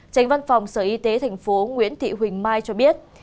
tránh văn phòng sở y tế tp nguyễn thị huỳnh mai cho biết